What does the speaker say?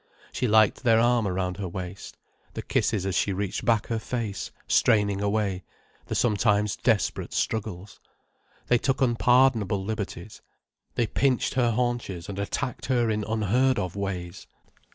She liked their arm round her waist, the kisses as she reached back her face, straining away, the sometimes desperate struggles. They took unpardonable liberties. They pinched her haunches and attacked her in unheard of ways.